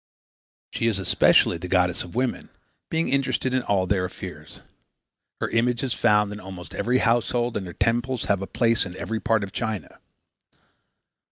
She is especially the goddess of women, being interested in all their affairs. Her image is found in almost every household and her temples have a place in every part of China.